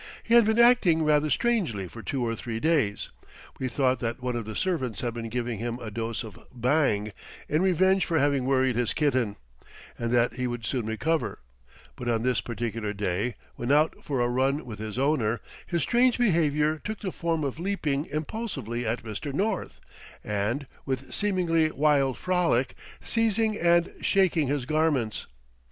He had been acting rather strangely for two or three days; we thought that one of the servants had been giving him a dose of bhang in revenge for having worried his kitten, and that he would soon recover; but on this particular day, when out for a run with his owner, his strange behavior took the form of leaping impulsively at Mr. North, and, with seemingly wild frolic, seizing and shaking his garments.